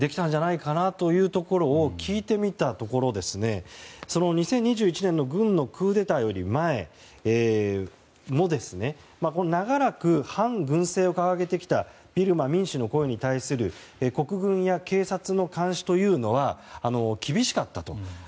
そこを聞いてみたところ２０２１年の軍のクーデターより前も長らく、反軍政を掲げてきたビルマ民主の声に対する国軍や警察の監視というのは厳しかったと。